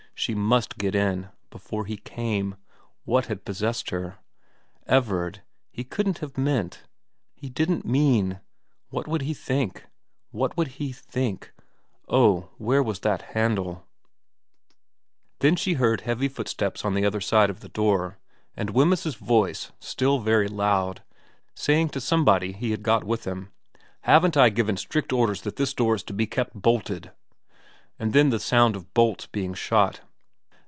She must get in before he came what had possessed her ? Everard he couldn't have XK VERA 213 mean't lie didn't mean what would he think what would he think oh, where was that handle ? Then she heard heavy footsteps on the other side of the door, and Wemyss's voice, still very loud, saying to somebody he had got with him, ' Haven't I given strict orders that this door is to be kept bolted ?' and then the sound of bolts being shot.